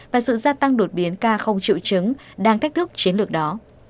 và sự gia tăng đột biến ca không triệu chứng đang thách thức chiến lược đó